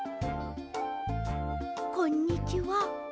こんにちは。